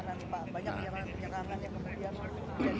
banyak penyerangan penyerangan yang kemudian